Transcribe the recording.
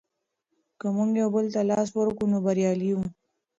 که موږ یو بل ته لاس ورکړو نو بریالي یو.